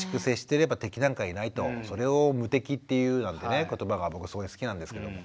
そうですよね。なんてね言葉が僕すごい好きなんですけども。